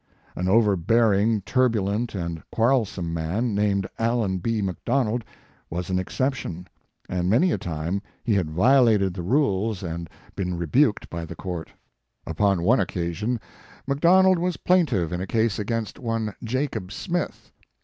An overbearing, turbulent and quarrelsome man, named Allen B. McDonald, was an exception, and many a time he had violated the rules 16 Mark Twain and been rebuked by the court. Upon one occasion McDonald was plaintiff in a case against one Jacob Smith.